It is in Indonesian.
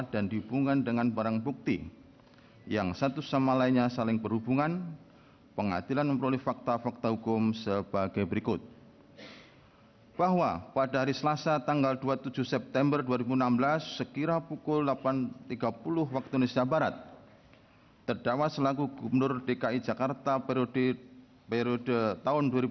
dan penasihat hukumnya adalah sebagai berikut